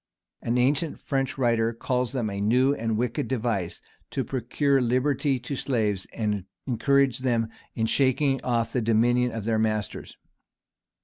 [] An ancient French writer calls them a new and wicked device, to procure liberty to slaves, and encourage them in shaking off the dominion of their masters.